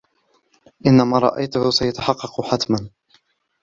إنّ ما رأيته سيتحقّق حتما.